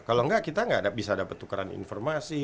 kalo gak kita gak bisa dapet tukeran informasi